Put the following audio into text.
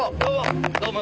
どうも！